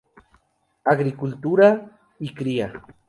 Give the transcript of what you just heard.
Agricultura y cría.